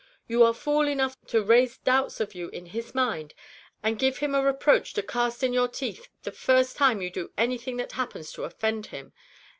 you are fool enough to raise doubts of you in his mind, and give him a reproach to cast in your teeth the first time you do anything that happens to offend him!